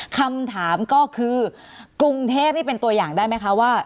คำถามก็คือกรุงเทพนี่เป็นตัวอย่างได้ไหมคะว่า